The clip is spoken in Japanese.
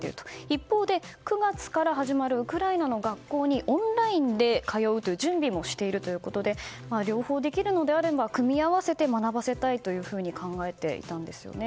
一方で、９月から始まるウクライナの学校にオンラインで通うという準備もしているということで両方できるのであれば組み合わせて学ばせたいと考えていたんですよね。